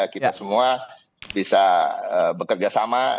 kita semua bisa bekerja sama